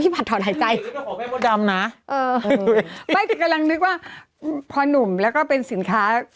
แม่งก็ขอแค่มดดำนะเออแม่งกำลังนึกว่าพอนุ่มแล้วก็เป็นสินค้า